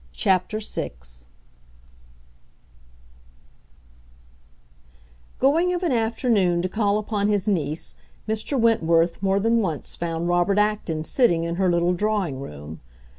CHAPTER VI Going of an afternoon to call upon his niece, Mr. Wentworth more than once found Robert Acton sitting in her little drawing room.